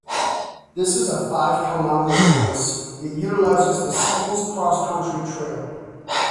This is a five kilometre race that utilises the school's cross country trail.